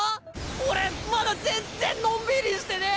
俺まだ全然のんびりしてねぇ！